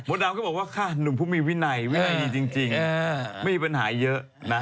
ดำก็บอกว่าค่ะหนุ่มผู้มีวินัยวินัยมีจริงไม่มีปัญหาเยอะนะ